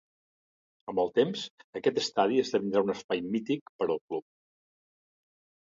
Amb el temps, aquest estadi esdevindrà un espai mític per al club.